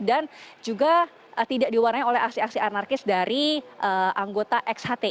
dan juga tidak diwarnai oleh aksi aksi anarkis dari anggota xhti